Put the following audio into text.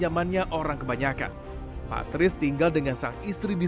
bisa juga kayak iningin tadi loh